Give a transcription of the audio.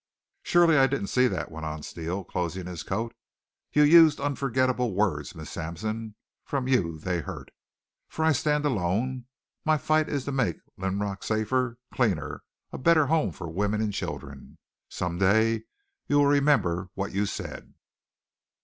"Surely I didn't see that," went on Steele, closing his coat. "You used unforgettable words, Miss Sampson. From you they hurt. For I stand alone. My fight is to make Linrock safer, cleaner, a better home for women and children. Some day you will remember what you said."